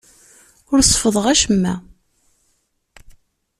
Ur seffḍeɣ acemma.